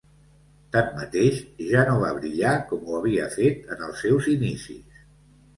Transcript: Tanmateix, ja no va brillar com ho havia fet en els seus inicis.